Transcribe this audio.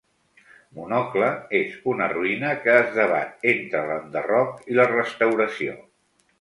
Monocle és una ruïna que es debat entre l'enderroc i la restauració.